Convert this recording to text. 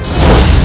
aku mau makan